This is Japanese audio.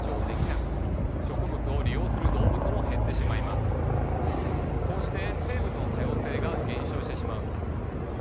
するとこうして生物の多様性が減少してしまうんです。